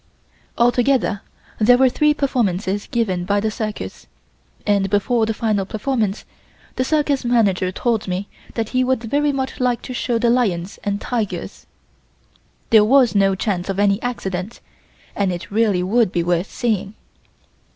Altogether there were three performances given by the circus, and before the final performance, the circus Manager told me that he would very much like to show the lions and tigers: there was no chance of any accident and it really would be worth seeing.